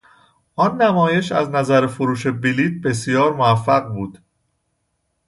آن نمایش از نظر فروش بلیط بسیار موفق بود.